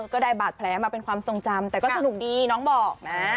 ก็ได้บาดแผลมาเป็นความทรงจำแต่ก็สนุกดีน้องบอกนะ